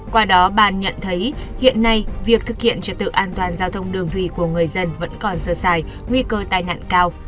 qua đó bàn nhận thấy hiện nay việc thực hiện trật tự an toàn giao thông đường thủy của người dân vẫn còn sơ sài nguy cơ tai nạn cao